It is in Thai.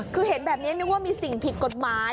คือเห็นแบบนี้นึกว่ามีสิ่งผิดกฎหมาย